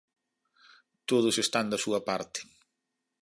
Todos están da súa parte.